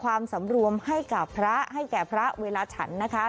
สำรวมให้กับพระให้แก่พระเวลาฉันนะคะ